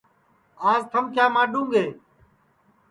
آج تھم کیا ماڈؔوں گے